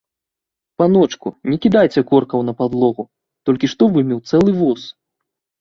Паночку, не кідайце коркаў на падлогу, толькі што вымеў цэлы воз.